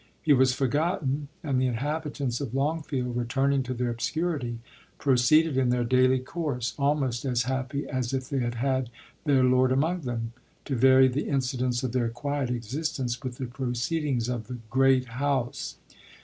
He was forgotten, and the inhabitants of Longfield, returning to their obscurity, proceeded in their daily course, almost as happy as if they had had their lord among them, to vary the incidents of their quiet existence with the proceedings of the " Great House."